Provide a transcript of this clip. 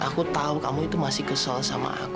aku tau kamu itu anderes